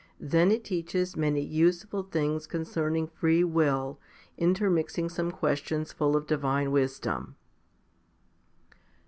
Then it teaches many useful things concerning free will, intermixing some questions full of divine wisdom.